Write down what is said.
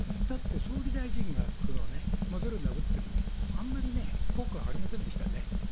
だって総理大臣がね、モデルナを打っても、あんまりね、効果がありませんでしたね。